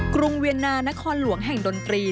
รุงเวียนนานครหลวงแห่งดนตรี